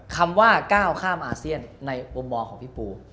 คำว่าก้าวข้ามอาเซียนในมุมมองของพี่ปู